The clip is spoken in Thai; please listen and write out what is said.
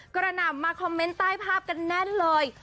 หนำมาคอมเมนต์ใต้ภาพกันแน่นเลย